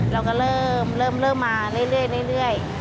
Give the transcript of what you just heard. เราก็เริ่มเริ่มเริ่มมาเรื่อย